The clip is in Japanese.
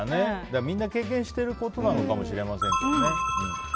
みんな経験していることかもしれませんね。